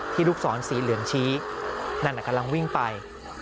ลูกศรสีเหลืองชี้นั่นกำลังวิ่งไป